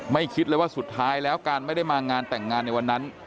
คิดเลยว่าสุดท้ายแล้วการไม่ได้มางานแต่งงานในวันนั้น